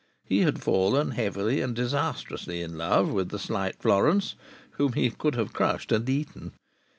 He had fallen heavily and disastrously in love with the slight Florence (whom he could have crushed and eaten).